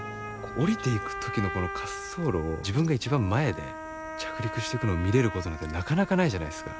降りていく時のこの滑走路を自分が一番前で着陸してくのを見れることなんてなかなかないじゃないですか。